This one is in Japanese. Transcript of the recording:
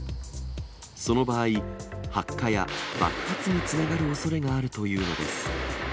その場合、発火や爆発につながるおそれがあるというのです。